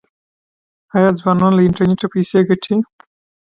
آیا ځوانان له انټرنیټ پیسې ګټي؟